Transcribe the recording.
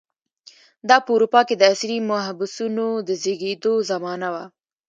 دا په اروپا کې د عصري محبسونو د زېږېدو زمانه وه.